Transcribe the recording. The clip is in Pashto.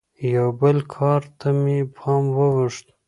یوه بل کار ته مې پام واوښت.